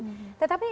tetapi ini mengatakan